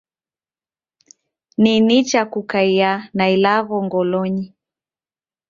Ni nicha kukaiya na ilagho ngolonyi